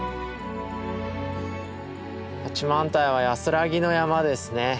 八幡平は安らぎの山ですね。